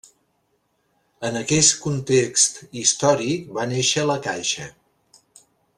En aquest context històric va néixer la Caixa.